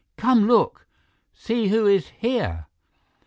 "Come look! See who is here!"